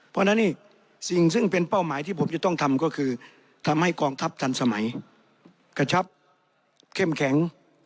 เพราะฉะนั้นนี่สิ่งซึ่งเป็นเป้าหมายที่ผมจะต้องทำก็คือทำให้กองทัพทันสมัยกระชับเข้มแข็ง